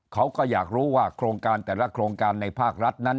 เขาก็อยากรู้ว่าโครงการแต่ละโครงการในภาครัฐนั้น